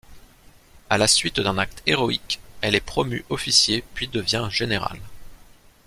À la suite d'un acte héroïque, elle est promue officier puis devient général.